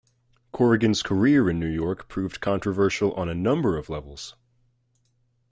Corrigan's career in New York proved controversial on a number of levels.